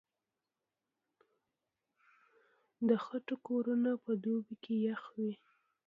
د خټو کورونه په دوبي کې يخ وي.